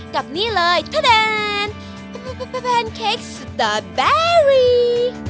กับนี่เลยแปนเค้กสตาร์เบอร์รี่